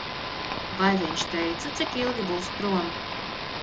Vai viņš teica, cik ilgi būs prom?